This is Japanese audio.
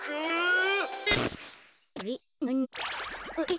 あっ！